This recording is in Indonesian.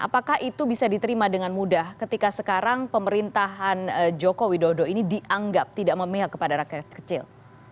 apakah itu bisa diterima dengan mudah ketika sekarang pemerintahan joko widodo ini dianggap tidak memihak kepada rakyat kecil